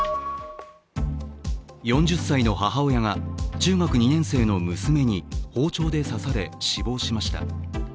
４０歳の母親が中学２年生の娘に包丁で刺され死亡しました。